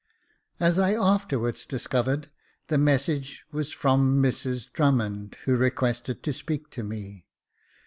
As I afterwards discovered, the message was from Mrs Drummond, who requested to speak to me.